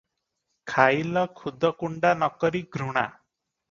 ଖାଇଲ ଖୁଦକୁଣ୍ଡା ନକରି ଘୃଣା